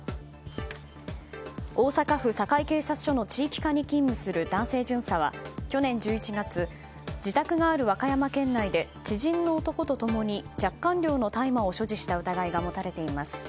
大阪府堺警察署の地域課に勤務する男性巡査は去年１１月自宅がある和歌山県内で知人の男と共に若干量の大麻を所持した疑いが持たれています。